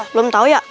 belum tau ya